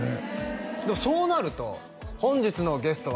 でもそうなると「本日のゲストは」